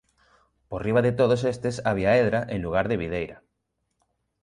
Por riba de todos estes había hedra en lugar de videira.